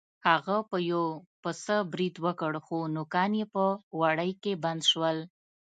هغه په یو پسه برید وکړ خو نوکان یې په وړۍ کې بند شول.